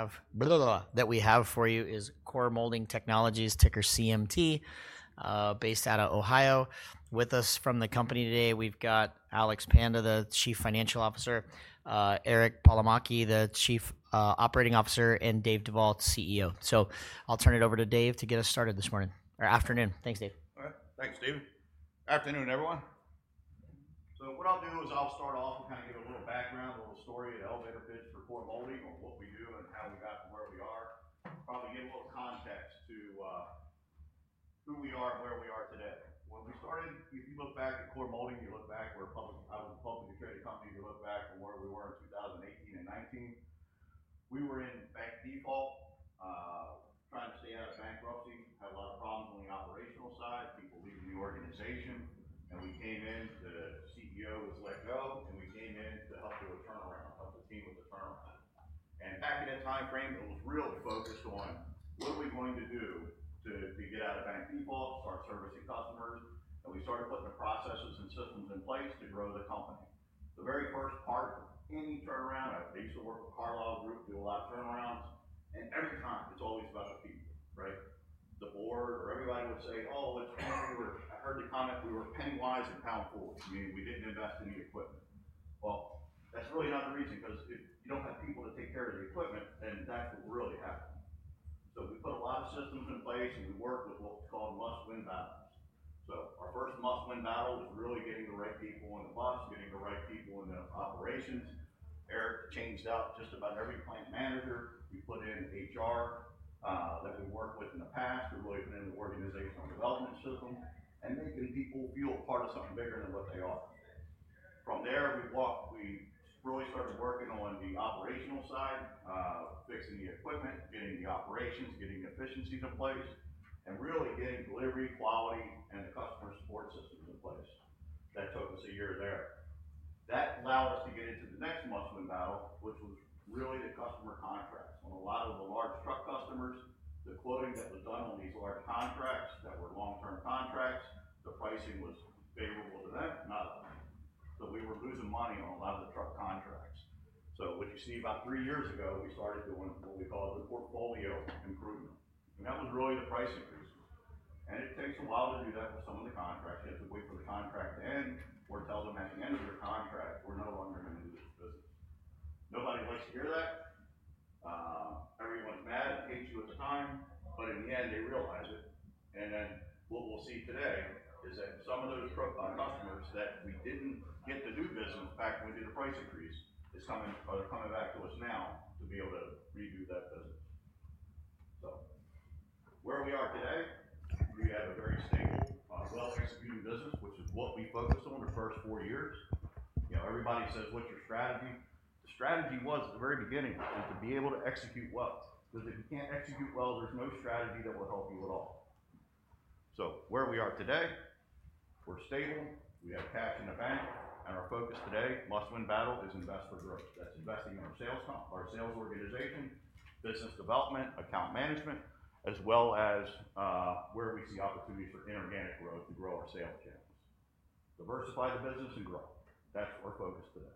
Have that we have for you is Core Molding Technologies, ticker CMT, based out of Ohio. With us from the company today, we've got Alex Panda, the Chief Financial Officer, Eric Palomaki, the Chief Operating Officer, and Dave Duvall, CEO. I'll turn it over to Dave to get us started this morning or afternoon. Thanks, Dave. All right. Thanks, Steven. Afternoon, everyone. What I'll do is I'll start off and kind of give a little background, a little story, an elevator pitch for Core Molding, what we do and how we got to where we are. Probably give a little context to who we are and where we are today. When we started, if you look back at Core Molding, you look back where public—I was a public security company. You look back to where we were in 2018 and 2019. We were in bank default, trying to stay out of bankruptcy. Had a lot of problems on the operational side, people leaving the organization. We came in—the CEO was let go—and we came in to help do a turnaround, help the team with the turnaround. Back in that time frame, it was real focused on what are we going to do to get out of bank default, start servicing customers. We started putting the processes and systems in place to grow the company. The very first part of any turnaround, I used to work with Carlyle Group, do a lot of turnarounds. Every time, it's always about the people, right? The board or everybody would say, "Oh, it's fine. We were—I heard the comment. We were penny wise and pound forward." I mean, we didn't invest in the equipment. That's really not the reason because if you don't have people to take care of the equipment, then that's what really happened. We put a lot of systems in place, and we worked with what was called must-win battles. Our first must-win battle was really getting the right people on the bus, getting the right people in the operations. Eric changed out just about every plant manager. We put in HR that we worked with in the past to really put in the organizational development system and making people feel a part of something bigger than what they are. From there, we really started working on the operational side, fixing the equipment, getting the operations, getting efficiencies in place, and really getting delivery quality and the customer support systems in place. That took us a year there. That allowed us to get into the next must-win battle, which was really the customer contracts. On a lot of the large truck customers, the quoting that was done on these large contracts that were long-term contracts, the pricing was favorable to them, not ours. We were losing money on a lot of the truck contracts. What you see about three years ago, we started doing what we call the portfolio improvement. That was really the price increases. It takes a while to do that with some of the contracts. You have to wait for the contract to end or tell them at the end of their contract, "We're no longer going to do this business." Nobody likes to hear that. Everyone's mad and hates you at the time, but in the end, they realize it. What we'll see today is that some of those truck customers that we did not get to do business—in fact, we did a price increase—are coming back to us now to be able to redo that business. Where we are today, we have a very stable, well-executed business, which is what we focused on the first four years. You know, everybody says, "What's your strategy?" The strategy was at the very beginning to be able to execute well. Because if you can't execute well, there's no strategy that will help you at all. Where we are today, we're stable. We have cash in the bank. Our focus today, must-win battle, is invest for growth. That's investing in our sales comp, our sales organization, business development, account management, as well as, where we see opportunities for inorganic growth to grow our sales channels. Diversify the business and grow. That's our focus today.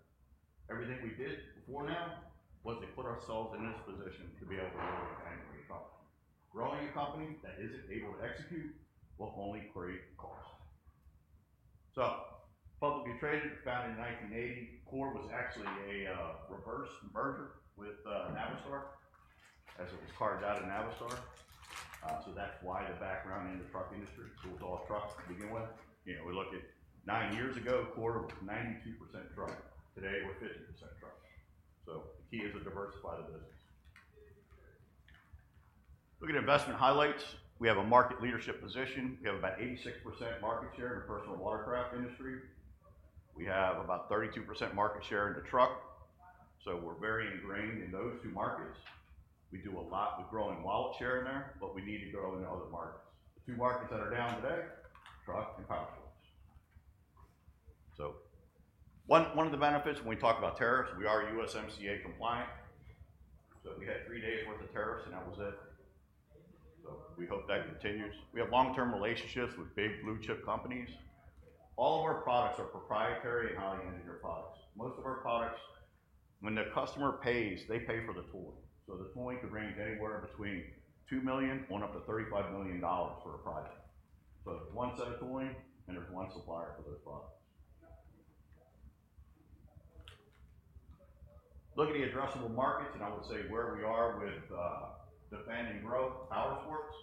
Everything we did before now was to put ourselves in this position to be able to grow a bank or a company. Growing a company that isn't able to execute will only create cost. Publicly Traded was founded in 1980. Core was actually a reverse merger with Navistar as it was carved out of Navistar. That's why the background in the truck industry. It was all truck to begin with. You know, we look at nine years ago, Core was 92% truck. Today, we're 50% truck. The key is to diversify the business. Look at investment highlights. We have a market leadership position. We have about 86% market share in the personal watercraft industry. We have about 32% market share in the truck. We're very ingrained in those two markets. We do a lot with growing wallet share in there, but we need to grow in other markets. The two markets that are down today, truck and power trucks. One of the benefits when we talk about tariffs, we are USMCA compliant. We had three days' worth of tariffs, and that was it. We hope that continues. We have long-term relationships with big blue chip companies. All of our products are proprietary and high-end products. Most of our products, when the customer pays, they pay for the tooling. The tooling could range anywhere between $2 million-$35 million for a project. There is one set of tooling, and there is one supplier for those products. Look at the addressable markets, and I would say where we are with defending growth, power sports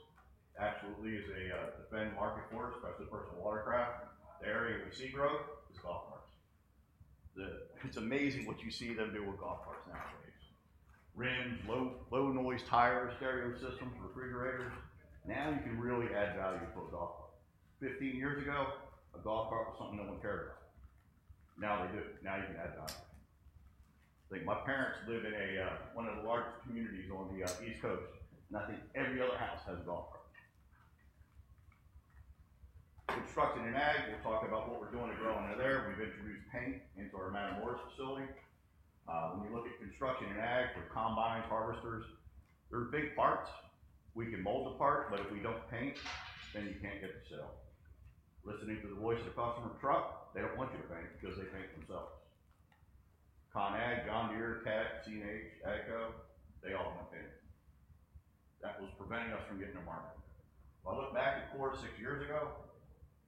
absolutely is a defend market for us, especially personal watercraft. The area we see growth is golf carts. It is amazing what you see them do with golf carts nowadays. Rims, low-noise tires, stereo systems, refrigerators. Now you can really add value for a golf cart. Fifteen years ago, a golf cart was something no one cared about. Now they do. Now you can add value. I think my parents live in a, one of the largest communities on the East Coast, and I think every other house has a golf cart. Construction and ag, we'll talk about what we're doing to grow into there. We've introduced paint into our Matamoros facility. When you look at construction and ag, we're combines, harvesters. They're big parts. We can mold the part, but if we don't paint, then you can't get to sale. Listening to the voice of the customer truck, they don't want you to paint because they paint themselves. Con Ag, John Deere, Cadet, CNH, AGCO, they all want paint. That was preventing us from getting to market. If I look back at Core six years ago,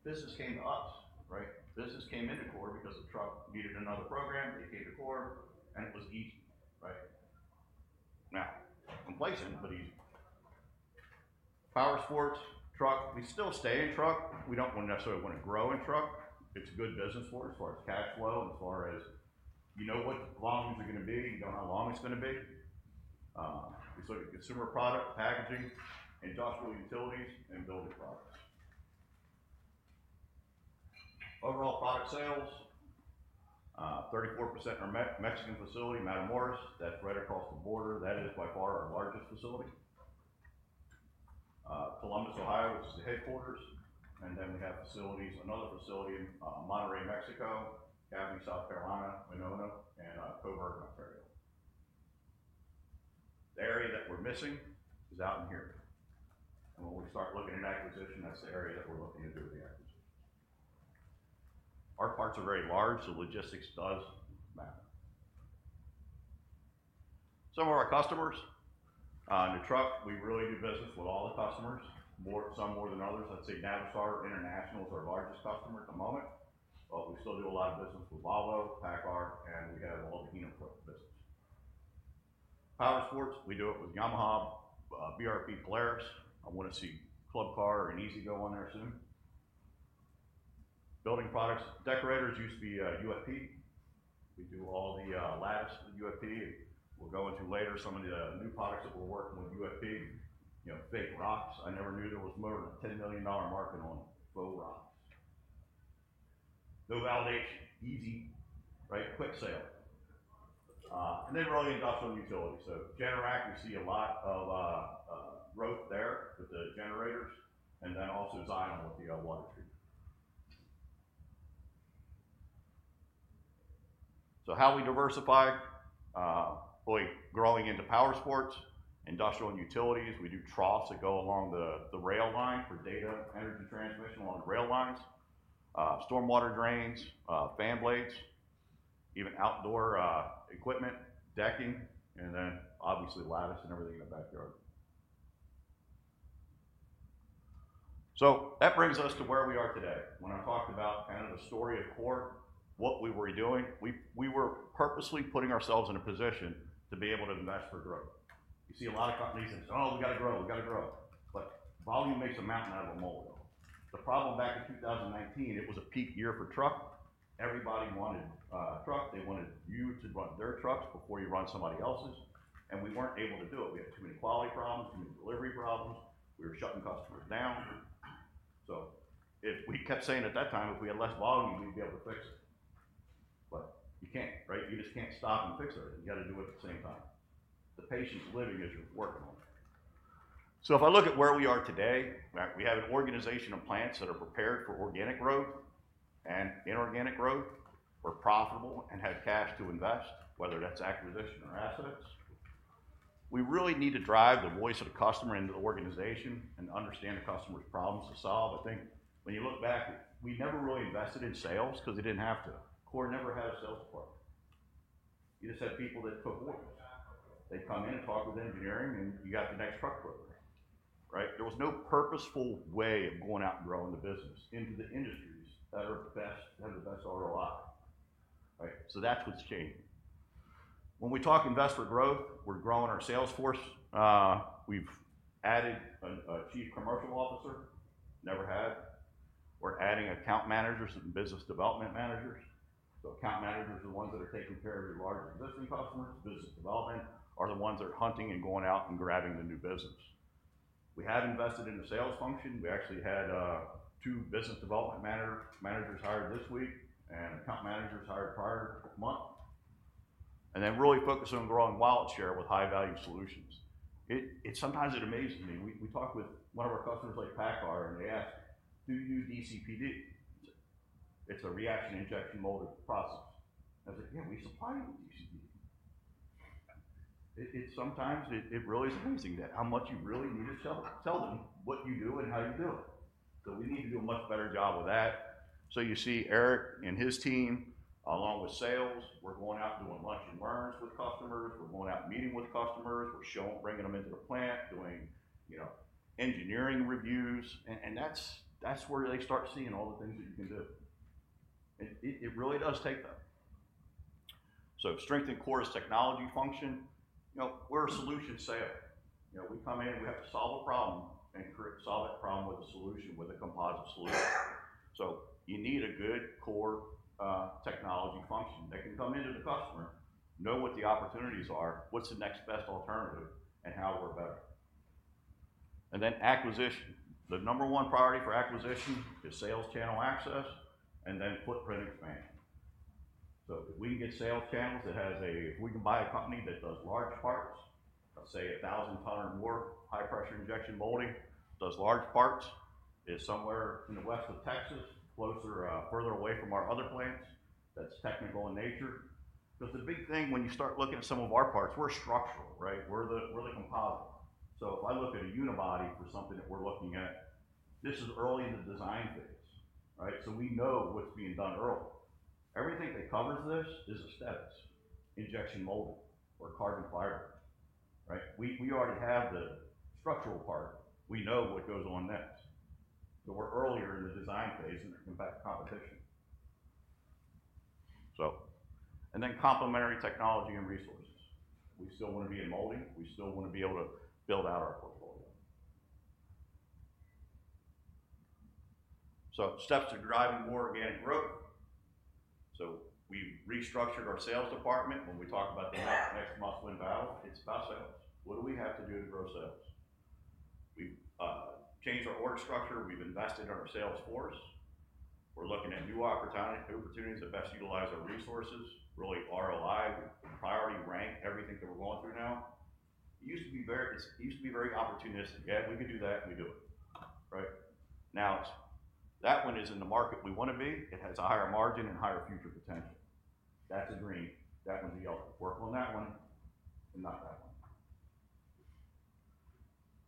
business came to us, right? Business came into Core because the truck needed another program. They came to Core, and it was easy, right? Now, inflation, but easy. Power sports truck, we still stay in truck. We do not necessarily want to grow in truck. It is a good business for us as far as cash flow, as far as you know what the volumes are going to be. You know how long it is going to be. We still get consumer product, packaging, industrial utilities, and building products. Overall product sales, 34% are Mexican facility, Matamoros. That is right across the border. That is by far our largest facility. Columbus, Ohio, which is the headquarters. And then we have facilities, another facility in Monterey, Mexico, Cayce, South Carolina, Winona, and Coburg, Ontario. The area that we are missing is out in here. When we start looking at acquisition, that's the area that we're looking to do the acquisition. Our parts are very large, so logistics does matter. Some of our customers, in the truck, we really do business with all the customers, some more than others. I'd say Navistar International is our largest customer at the moment. We still do a lot of business with Volvo, PACCAR, and we have all the Hino truck business. Power sports, we do it with Yamaha, BRP, Polaris. I want to see Club Car and E-Z-GO on there soon. Building products, decorators used to be a UFP. We do all the lattice with UFP. We'll go into later some of the new products that we're working with UFP, you know, fake rocks. I never knew there was more than a $10 million market on them, faux rocks. No validation, easy, right? Quick sale. and then really industrial utilities. Generic, we see a lot of growth there with the generators. Also design on the water treatment. How we diversify, really growing into power sports, industrial and utilities. We do troughs that go along the rail line for data energy transmission along the rail lines. Stormwater drains, fan blades, even outdoor equipment, decking, and then obviously lattice and everything in the backyard. That brings us to where we are today. When I talked about kind of the story of Core, what we were doing, we were purposely putting ourselves in a position to be able to invest for growth. You see a lot of companies that say, "Oh, we got to grow, we got to grow," but volume makes a mountain out of a molehill. The problem back in 2019, it was a peak year for truck. Everybody wanted, truck. They wanted you to run their trucks before you run somebody else's. We were not able to do it. We had too many quality problems, too many delivery problems. We were shutting customers down. If we kept saying at that time, if we had less volume, we would be able to fix it. You cannot, right? You just cannot stop and fix it. You have to do it at the same time. The patience living as you are working on it. If I look at where we are today, we have an organization of plants that are prepared for organic growth and inorganic growth, are profitable, and have cash to invest, whether that is acquisition or assets. We really need to drive the voice of the customer into the organization and understand the customer's problems to solve. I think when you look back, we never really invested in sales because they did not have to. Core never had a sales department. You just had people that took orders. They would come in and talk with engineering, and you got the next truck quickly, right? There was no purposeful way of going out and growing the business into the industries that are best, have the best ROI, right? That is what has changed. When we talk invest for growth, we are growing our sales force. We have added a chief commercial officer. Never had. We are adding account managers and business development managers. Account managers are the ones that are taking care of your large existing customers. Business development are the ones that are hunting and going out and grabbing the new business. We have invested in the sales function. We actually had two business development managers hired this week and account managers hired prior month. Then really focus on growing wallet share with high-value solutions. It sometimes amazes me. We talk with one of our customers like PACCAR, and they ask, "Do you do DCPD?" It's a reaction injection molded process. I was like, "Yeah, we supply you with DCPD." It sometimes it really is amazing that how much you really need to tell them what you do and how you do it. We need to do a much better job with that. You see Eric and his team along with sales, we're going out and doing lunch and learns with customers. We're going out and meeting with customers. We're showing, bringing them into the plant, doing, you know, engineering reviews. That's where they start seeing all the things that you can do. It really does take them. To strengthen Core's technology function. You know, we're a solution sale. You know, we come in, we have to solve a problem and solve that problem with a solution, with a composite solution. You need a good Core technology function that can come into the customer, know what the opportunities are, what's the next best alternative, and how we're better. Acquisition, the number one priority for acquisition is sales channel access and then footprint expansion. If we can get sales channels that has a, if we can buy a company that does large parts, let's say 1,000 tons or more high-pressure injection molding, does large parts, is somewhere in the west of Texas, closer, further away from our other plants, that's technical in nature. The big thing when you start looking at some of our parts, we're structural, right? We're the composite. If I look at a unibody for something that we're looking at, this is early in the design phase, right? We know what's being done early. Everything that covers this is aesthetics, injection molding, or carbon fiber, right? We already have the structural part. We know what goes on next. We're earlier in the design phase and then come back to competition. Then complementary technology and resources. We still want to be in molding. We still want to be able to build out our portfolio. Steps to driving more organic growth. We restructured our sales department. When we talk about the next must-win battle, it's about sales. What do we have to do to grow sales? We've changed our org structure. We've invested in our sales force. We're looking at new opportunities to best utilize our resources, really ROI, priority rank, everything that we're going through now. It used to be very, it used to be very opportunistic. Yeah, we could do that. We do it, right? Now that one is in the market we want to be. It has a higher margin and higher future potential. That's a green. That one's yellow. Work on that one and not that one.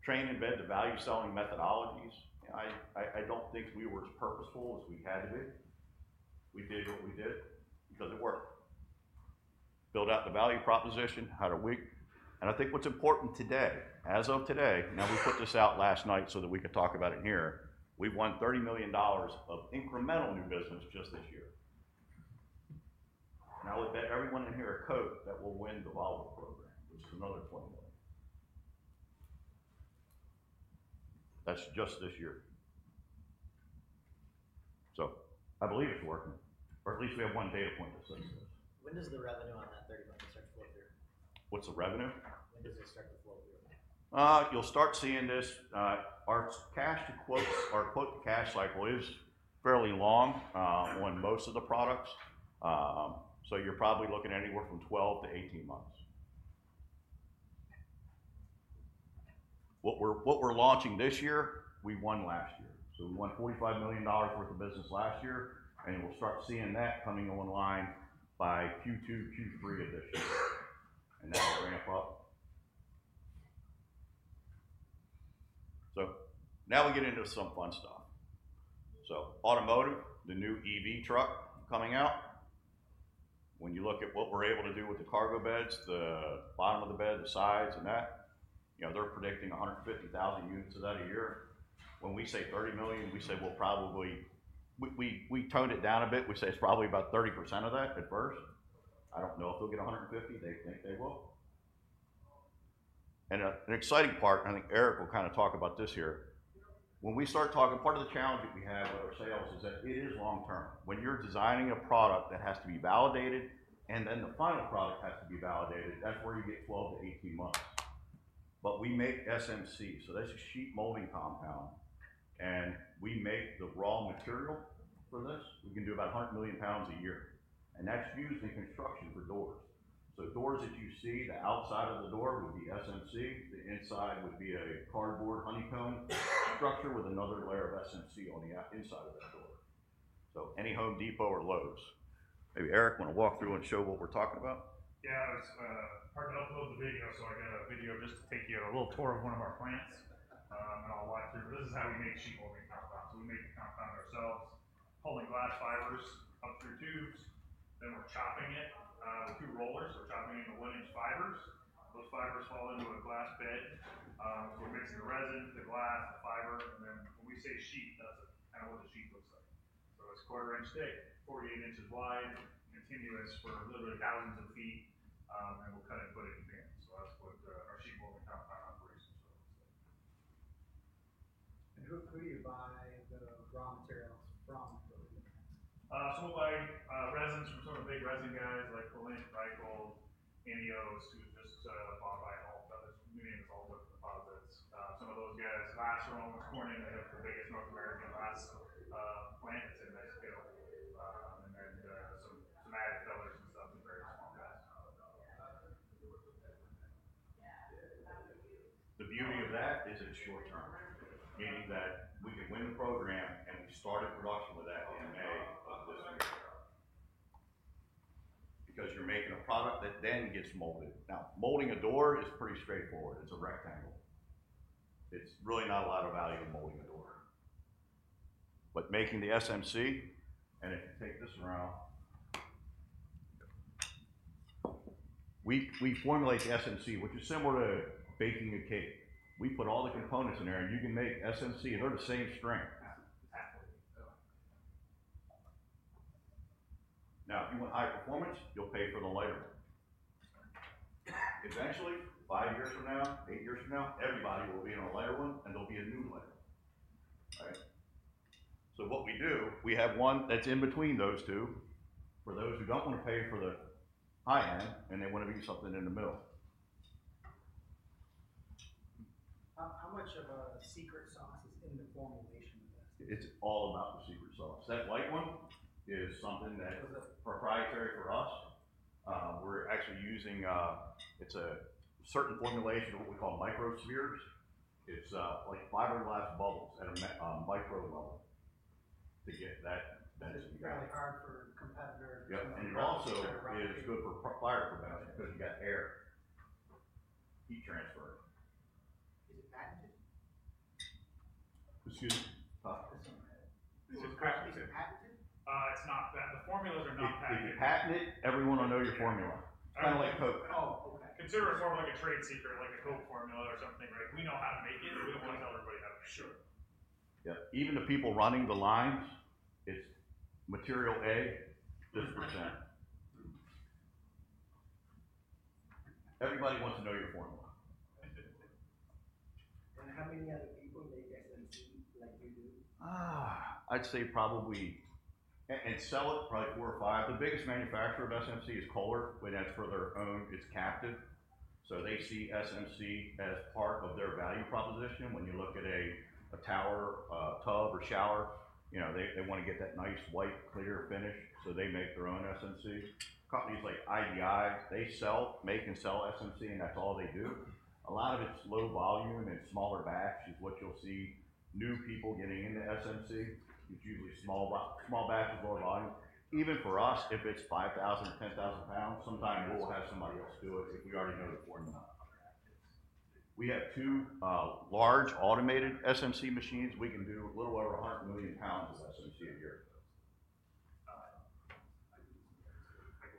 Train and bed the value selling methodologies. I don't think we were as purposeful as we had to be. We did what we did because it worked. Build out the value proposition, how to win. And I think what's important today, as of today, now we put this out last night so that we could talk about it here. We won $30 million of incremental new business just this year. I would bet everyone in here a coat that we'll win the Volvo program, which is another $20 million. That's just this year. I believe it's working, or at least we have one data point that says this. When does the revenue on that $30 million start to flow through? What's the revenue? When does it start to flow through? You'll start seeing this. Our cash to quotes, our quote to cash cycle is fairly long, on most of the products. You're probably looking at anywhere from 12-18 months. What we're launching this year, we won last year. We won $45 million worth of business last year, and we'll start seeing that coming online by Q2, Q3 of this year. Now we'll ramp up. Now we get into some fun stuff. Automotive, the new EV truck coming out. When you look at what we're able to do with the cargo beds, the bottom of the bed, the sides, and that, you know, they're predicting 150,000 units of that a year. When we say $30 million, we say we'll probably, we toned it down a bit. We say it's probably about 30% of that at first. I don't know if they'll get 150. They think they will. An exciting part, and I think Eric will kind of talk about this here. When we start talking, part of the challenge that we have with our sales is that it is long-term. When you're designing a product that has to be validated and then the final product has to be validated, that's where you get 12 months-18 months. We make SMC. So that's a sheet molding compound. We make the raw material for this. We can do about 100 million lbs a year. And that's used in construction for doors. So doors that you see, the outside of the door would be SMC. The inside would be a cardboard honeycomb structure with another layer of SMC on the inside of that door. So any Home Depot or Lowe's. Maybe Eric want to walk through and show what we're talking about? Yeah, I was hard to upload the video. So I got a video just to take you on a little tour of one of our plants. and I'll walk through. But this is how we make sheet molding compound. So we make the compound ourselves, pulling glass fibers up through tubes. Then we're chopping it, with two rollers. We're chopping it into one-ince fibers. Those fibers fall into a glass bed. so we're mixing the resin, the glass, the fiber. When we say sheet, that's kind of what the sheet looks like. It's quarter-inch thick, 48 in wide, continuous for literally thousands of feet. We'll cut it and put it in bands. That's what our sheet molding compound operations are. Who do you buy the raw materials from? Someone like, resins from some of the big resin guys like AOC, Reichhold, INEOS, who just, bought by all of those. New name is all with deposits. Some of those guys, Lanxess, Owens Corning, they have the biggest North American glass plant. It's in Mexico. Then, some ceramic fillers and stuff, some very small glass. The beauty of that is it's short-term, meaning that we can win the program and we started production with that in May of this year. Because you're making a product that then gets molded. Now, molding a door is pretty straightforward. It's a rectangle. There's really not a lot of value in molding a door. Making the SMC, and if you take this around, we formulate the SMC, which is similar to baking a cake. We put all the components in there, and you can make SMC, and they're the same strength. If you want high performance, you'll pay for the lighter one. Eventually, five years from now, eight years from now, everybody will be in a lighter one, and there'll be a new lighter. Right? What we do, we have one that's in between those two for those who don't want to pay for the high end, and they want to be something in the middle. How much of a secret sauce is in the formulation of this? It's all about the secret sauce. That white one is something that's proprietary for us. We're actually using, it's a certain formulation of what we call microspheres. It's like fiberglass bubbles at a micro level to get that density. It's fairly hard for competitors. Yeah. And it also is good for fire prevention because you got air, heat transfer. Is it patented? Excuse me. It's not patented. It's not that. The formulas are not patented. If you patent it, everyone will know your formula. Kind of like Coke. Oh, okay. Consider it more of like a trade secret, like a Coke formula or something, right? We know how to make it, but we don't want to tell everybody how to make it. Sure. Yeah. Even the people running the lines, it's material A, this %. Everybody wants to know your formula. And how many other people make SMC like you do? I'd say probably and sell it probably four or five. The biggest manufacturer of SMC is Kohler. When that's for their own, it's captive. So they see SMC as part of their value proposition. When you look at a tower, a tub, or shower, you know, they want to get that nice white, clear finish. So they make their own SMC. Companies like IDI, they sell, make and sell SMC, and that's all they do. A lot of it's low volume and smaller batches is what you'll see new people getting into SMC. It's usually small batches, lower volume. Even for us, if it's 5,000 lbs-10,000 lbs, sometimes we'll have somebody else do it if we already know the formula. We have two large automated SMC machines. We can do a little over 100 million lbs of SMC a year.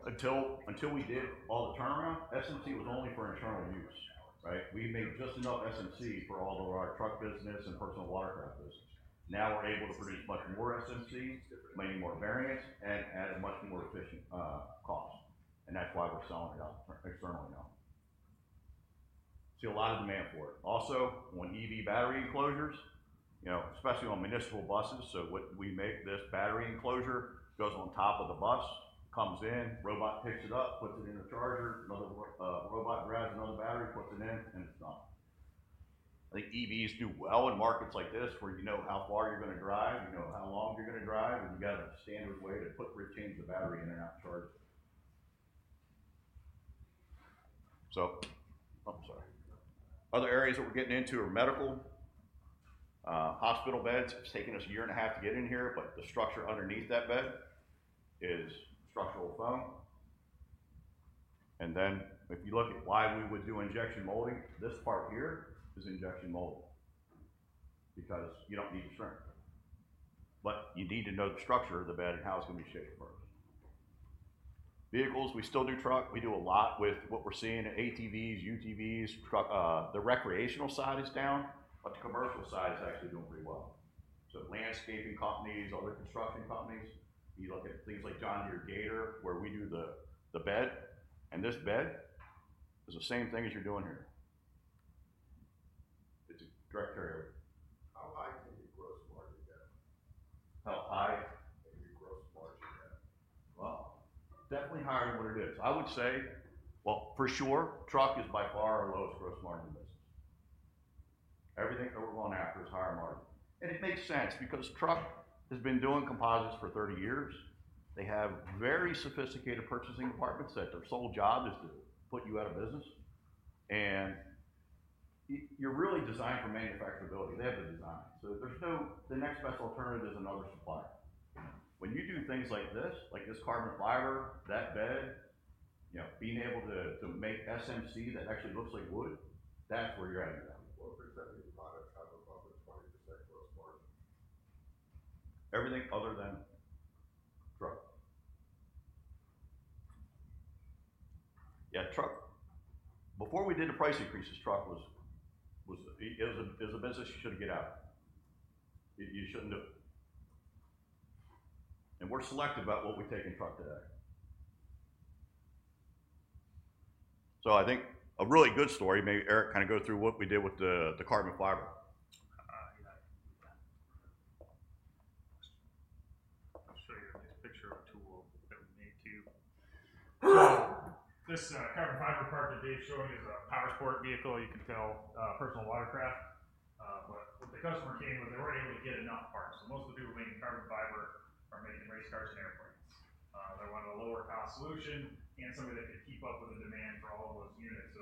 Until we did all the turnaround, SMC was only for internal use, right? We made just enough SMC for all of our truck business and personal watercraft business. Now we're able to produce much more SMC, many more variants, and at a much more efficient cost. That is why we're selling it out externally now. See a lot of demand for it. Also, on EV battery enclosures, you know, especially on municipal buses. What we make, this battery enclosure goes on top of the bus, comes in, robot picks it up, puts it in a charger, another robot grabs another battery, puts it in, and it's done. I think EVs do well in markets like this where you know how far you're going to drive, you know how long you're going to drive, and you got a standard way to put, retain the battery in and out of charge. I'm sorry. Other areas that we're getting into are medical, hospital beds. It's taken us a year and a half to get in here, but the structure underneath that bed is structural foam. And then if you look at why we would do injection molding, this part here is injection molding because you don't need the strength. You need to know the structure of the bed and how it's going to be shaped first. Vehicles, we still do truck. We do a lot with what we're seeing at ATVs, UTVs. The recreational side is down, but the commercial side is actually doing pretty well. Landscaping companies, other construction companies, you look at things like John Deere Gator where we do the bed. This bed is the same thing as you're doing here. It's a direct carrier. How high can your gross margin get? How high can your gross margin get? Definitely higher than what it is. I would say, for sure, truck is by far our lowest gross margin business. Everything that we're going after is higher margin. It makes sense because truck has been doing composites for 30 years. They have very sophisticated purchasing departments that their sole job is to put you out of business. You're really designed for manufacturability. They have the design. There's no, the next best alternative is another supplier. When you do things like this, like this carbon fiber, that bed, you know, being able to make SMC that actually looks like wood, that's where you're at. What percent of your product has above the 20% gross margin? Everything other than truck. Yeah, truck. Before we did the price increases, truck was, is a business you shouldn't get out. You shouldn't do it. We are selective about what we take in truck today. I think a really good story, maybe Eric can kind of go through what we did with the carbon fiber. I'll show you a nice picture of a tool that we made too. This carbon fiber part that Dave is showing is a PowerSport vehicle. You can tell personal watercraft. When the customer came, they were not able to get enough parts. Most of the people making carbon fiber are making race cars and airplanes. They wanted a lower-cost solution and somebody that could keep up with the demand for all of those units.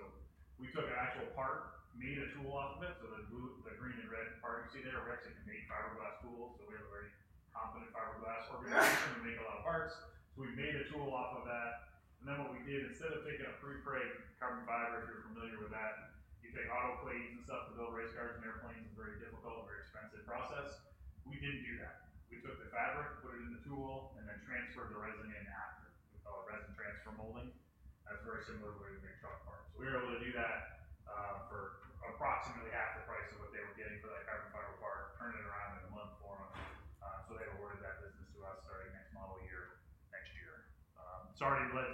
We took an actual part, made a tool off of it. The green and red part you see there, we actually can make fiberglass tools. We have a very competent fiberglass organization and make a lot of parts. We've made a tool off of that. And then what we did, instead of taking a pre-preg carbon fiber, if you're familiar with that, you take autoclaves and stuff to build race cars and airplanes. It's a very difficult, very expensive process. We didn't do that. We took the fabric, put it in the tool, and then transferred the resin in after. We call it resin transfer molding. That's very similar to the way we make truck parts. We were able to do that for approximately half the price of what they were getting for that carbon fiber part, turn it around in a month, four months. So they've awarded that business to us starting next model year, next year. It's already led to them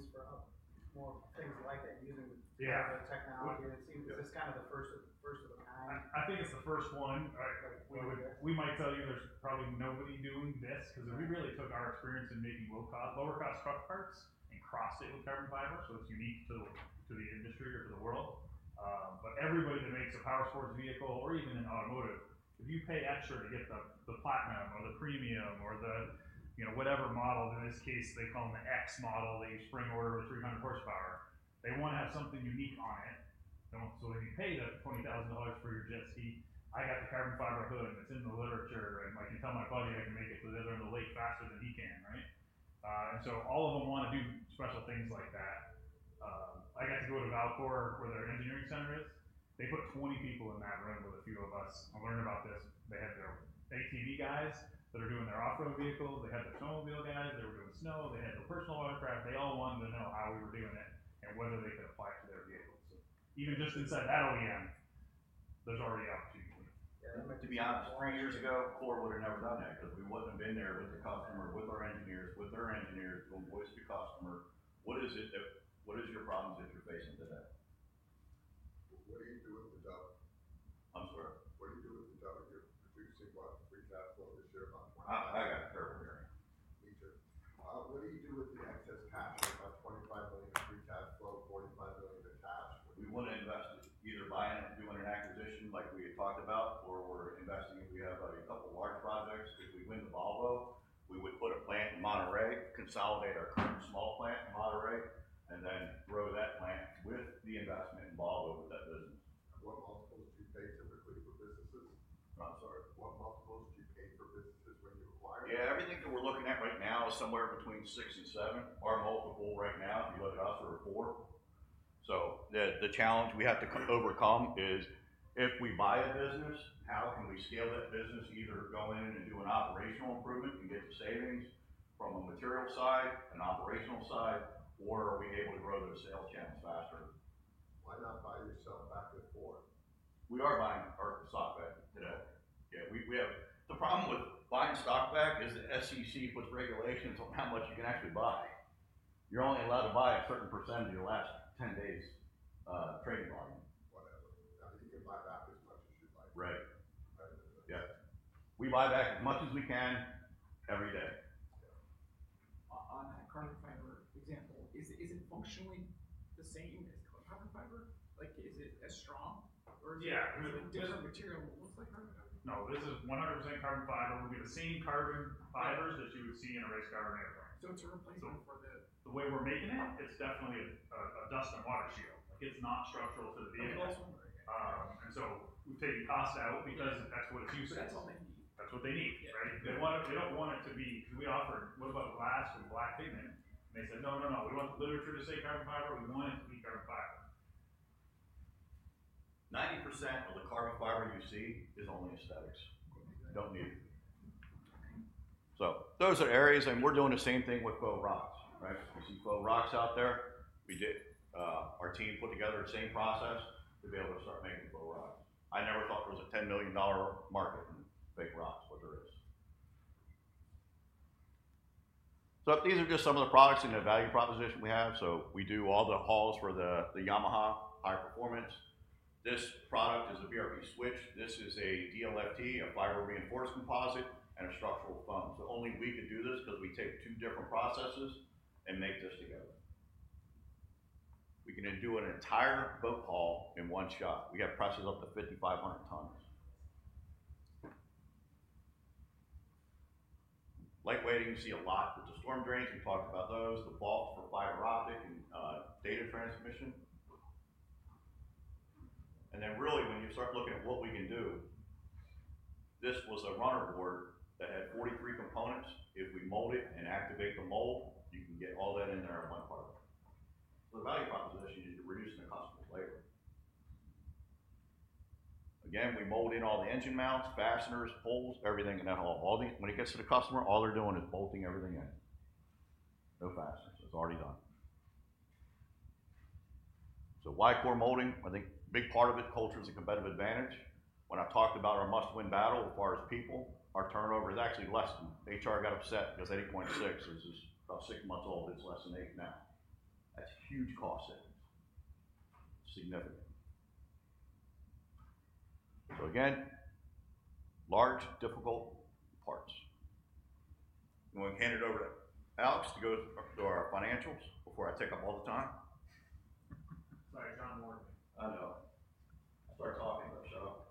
coming to us and asking if we can do the mirrors for the same vehicle now. So the hood covering and the mirrors. Do you think there'll be other opportunities for more things like that using the technology? It seems this is kind of the first of the kind. I think it's the first one. We might tell you there's probably nobody doing this because we really took our experience in making low-cost, lower-cost truck parts and crossed it with carbon fiber. It is unique to the industry or to the world. Everybody that makes a PowerSports vehicle or even an automotive, if you pay extra to get the platinum or the premium or the, you know, whatever model, in this case, they call them the X model, the spring order with 300 horsepower, they want to have something unique on it. When you pay that $20,000 for your jet ski, I got the carbon fiber hood and it's in the literature and I can tell my buddy I can make it to the other end of the lake faster than he can, right? All of them want to do special things like that. I got to go to Valcourt where their engineering center is. They put 20 people in that room with a few of us and learned about this. They had their ATV guys that are doing their off-road vehicles. They had their snowmobile guys. They were doing snow. They had their personal watercraft. They all wanted to know how we were doing it and whether they could apply it to their vehicles. Even just inside that OEM, there's already opportunities. To be honest, three years ago, Core would have never done that because we would not have been there with the customer, with our engineers, with their engineers, going voice to customer. What is it that, what is your problems that you are facing today? What are you doing with the job? I am sorry. What are you doing with the job that you are producing? What? Free cash flow this year? I got a terrible hearing. Me too. What do you do with the excess cash? We have about $25 million in free cash flow, $45 million in cash. We want to invest either buying it, doing an acquisition like we had talked about, or we are investing. We have a couple of large projects. If we win the Volvo, we would put a plant in Monterey, consolidate our current small plant in Monterey, and then grow that plant with the investment in Volvo with that business. What multiples do you pay typically for businesses? I'm sorry. What multiples do you pay for businesses when you acquire? Yeah, everything that we're looking at right now is somewhere between six and seven. Our multiple right now, if you look at us, are four. So the challenge we have to overcome is if we buy a business, how can we scale that business, either go in and do an operational improvement and get the savings from a material side, an operational side, or are we able to grow those sales channels faster? Why not buy yourself back with Ford? We are buying our stock back today. Yeah, we have the problem with buying stock back is the SEC puts regulations on how much you can actually buy. You're only allowed to buy a certain percentage of your last 10 days' trading volume. Whatever. I think you can buy back as much as you'd like. Right. Yeah. We buy back as much as we can every day. On that carbon fiber example, is it functionally the same as carbon fiber? Like, is it as strong? Or is it a different material that looks like carbon fiber? No, this is 100% carbon fiber. We'll get the same carbon fibers that you would see in a race car and airplane. So it's a replacement for the... The way we're making it, it's definitely a dust and water shield. Like, it's not structural to the vehicle. And so we've taken costs out because that's what it's used for. That's all they need. That's what they need, right? They want it. They don't want it to be... Because we offered, "What about glass with black pigment?" And they said, "No, no, no. We want the literature to say carbon fiber. We want it to be carbon fiber." 90% of the carbon fiber you see is only aesthetics. Don't need it. Those are areas. We're doing the same thing with faux rocks, right? You see faux rocks out there. We did. Our team put together the same process to be able to start making faux rocks. I never thought there was a $10 million market in fake rocks, but there is. These are just some of the products in the value proposition we have. We do all the hulls for the Yamaha high performance. This product is a BRP Switch. This is a DLFT, a fiber reinforced composite, and a structural foam. Only we could do this because we take two different processes and make this together. We can do an entire boat hull in one shot. We have presses up to 5,500 tons. Light weighting, you see a lot with the storm drains. We talked about those. The vaults for fiber optic and data transmission. Really, when you start looking at what we can do, this was a runner board that had 43 components. If we mold it and activate the mold, you can get all that in there in one part. The value proposition is you're reducing the customer's labor. Again, we mold in all the engine mounts, fasteners, poles, everything in that hull. All these, when it gets to the customer, all they're doing is bolting everything in. No fasteners. It's already done. Y-Core Molding, I think a big part of it, culture is a competitive advantage. When I talked about our must-win battle as far as people, our turnover is actually less. HR got upset because 8.6 is about six months old. It's less than eight now. That's huge cost savings. Significant. Again, large, difficult parts. I'm going to hand it over to Alex to go to our financials before I take up all the time. Sorry, John Morton. I know. Start talking about shut up.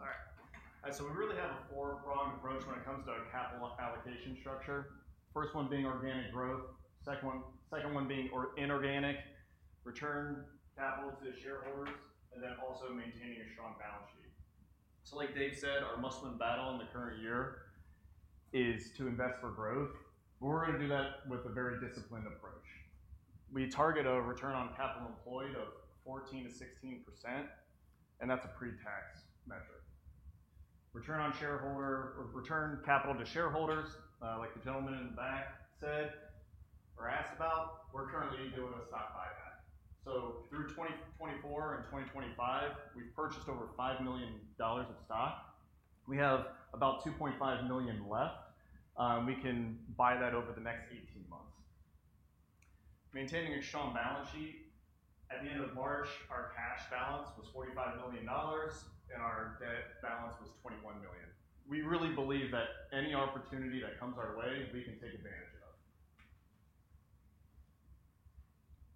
All right. We really have a four-pronged approach when it comes to our capital allocation structure. First one being organic growth. Second one being inorganic, return capital to shareholders, and then also maintaining a strong balance sheet. Like Dave said, our must-win battle in the current year is to invest for growth. We're going to do that with a very disciplined approach. We target a return on capital employed of 14-16%, and that's a pre-tax measure. Return on shareholder or return capital to shareholders, like the gentleman in the back said or asked about, we're currently doing a stock buyback. Through 2024 and 2025, we've purchased over $5 million of stock. We have about $2.5 million left. We can buy that over the next 18 months. Maintaining a strong balance sheet. At the end of March, our cash balance was $45 million and our debt balance was $21 million. We really believe that any opportunity that comes our way, we can take advantage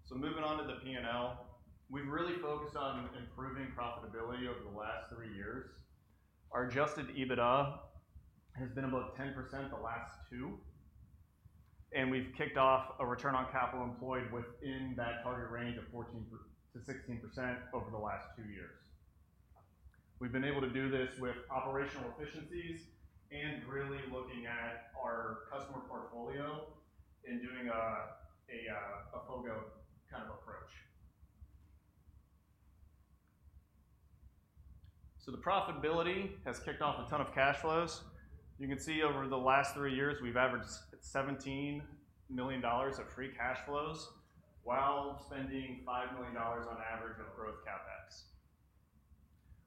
of. Moving on to the P&L, we've really focused on improving profitability over the last three years. Our adjusted EBITDA has been above 10% the last two. We have kicked off a return on capital employed within that target range of 14%-16% over the last two years. We have been able to do this with operational efficiencies and really looking at our customer portfolio and doing a FOGO kind of approach. The profitability has kicked off a ton of cash flows. You can see over the last three years, we have averaged $17 million of free cash flows while spending $5 million on average on growth CapEx.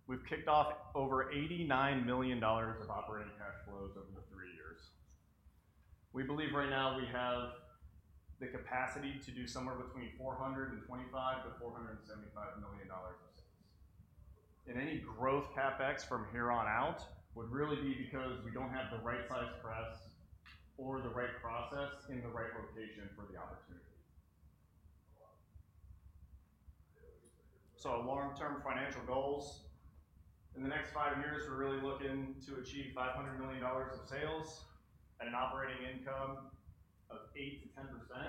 We have kicked off over $89 million of operating cash flows over the three years. We believe right now we have the capacity to do somewhere between $425 million-$475 million of sales. Any growth CapEx from here on out would really be because we do not have the right size press or the right process in the right location for the opportunity. Our long-term financial goals in the next five years, we're really looking to achieve $500 million of sales and an operating income of 8%-10%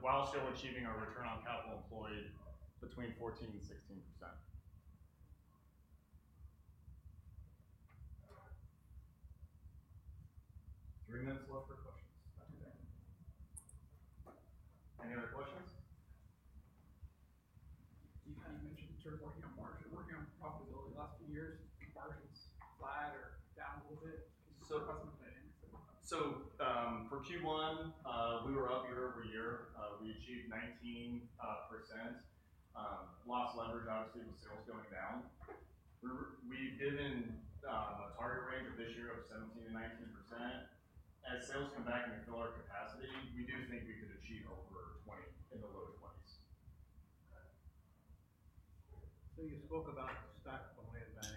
while still achieving our return on capital employed between 14%-16%. Three minutes left for questions. Any other questions? You kind of mentioned you're working on margin, working on profitability the last few years. Margins flat or down a little bit? For Q1, we were up year over year. We achieved 19%. Loss leverage, obviously, with sales going down. We've given a target range this year of 17%-19%. As sales come back and fill our capacity, we do think we could achieve over 20% in the low 20s. You spoke about stock buying back.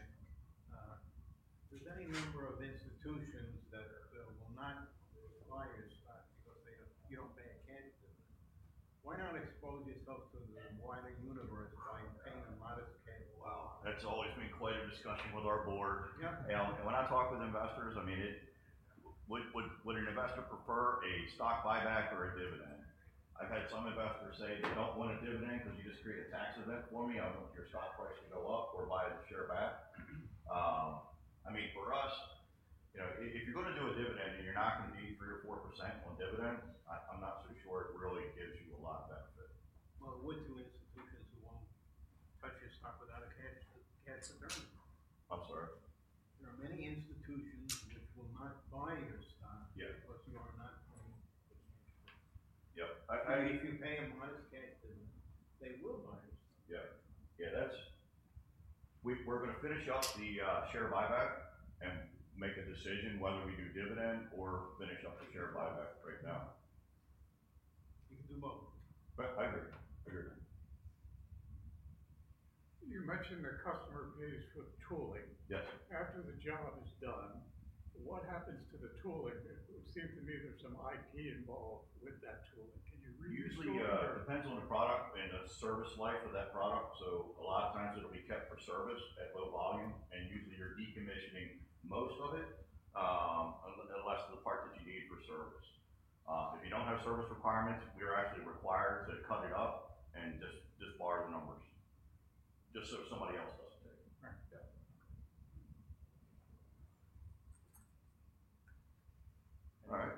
There's any number of institutions that will not buy your stock because you don't pay a penny dividend. Why not expose yourself to the wider universe by paying a modest penny dividend? That has always been quite a discussion with our board. And when I talk with investors, I mean, would an investor prefer a stock buyback or a dividend? I have had some investors say they do not want a dividend because you just create a tax event for me. I want your stock price to go up or buy the share back. I mean, for us, you know, if you are going to do a dividend and you are not going to be 3% or 4% on dividends, I am not so sure it really gives you a lot of benefit. With two institutions, you will not touch your stock without a candy dividend. I am sorry. There are many institutions which will not buy your stock because you are not paying the candy dividend. Yep. I mean, if you pay a modest candy dividend, they will buy your stock. Yeah. Yeah, that's... We're going to finish up the share buyback and make a decision whether we do dividend or finish up the share buyback right now. You can do both. I agree. I agree. You mentioned the customer pays for the tooling. Yes. After the job is done, what happens to the tooling? It seems to me there's some IP involved with that tooling. Can you read me? Usually, it depends on the product and the service life of that product. So a lot of times it'll be kept for service at low volume. And usually you're decommissioning most of it, unless the part that you need for service. If you don't have service requirements, we are actually required to cut it up and just bar the numbers. Just so somebody else doesn't take it. Right. Yeah. All right.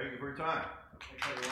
Questions? All right. Thank you for your time. Thank you.